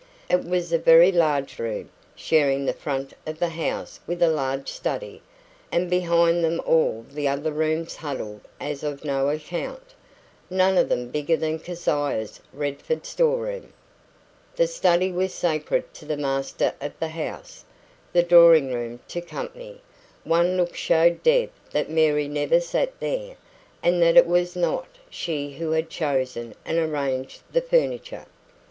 It was a very large room, sharing the front of the house with a large study; and behind them all the other rooms huddled as of no account, none of them bigger than Keziah's Redford storeroom. The study was sacred to the master of the house; the drawing room to "company". One look showed Deb that Mary never sat there, and that it was not she who had chosen and arranged the furniture.